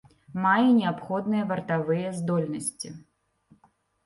Мае неабходныя вартавыя здольнасці.